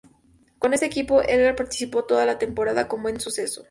Con este equipo Edgard participó toda la temporada con buen suceso.